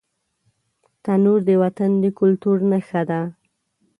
تنور د وطن د کلتور نښه ده